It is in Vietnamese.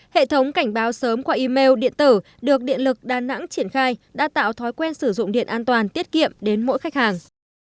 hệ thống cảnh báo sớm qua email điện tử được điện lực đà nẵng triển khai đã tạo thói quen sử dụng điện an toàn tiết kiệm đến mỗi khách hàng